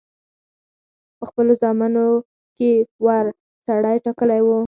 په خپلو زامنو کې وړ سړی ټاکلی وو.